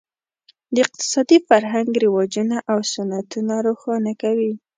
د اقتصادي فرهنګ رواجونه او سنتونه روښانه کوي.